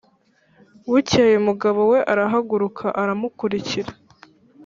Bukeye umugabo we arahaguruka aramukurikira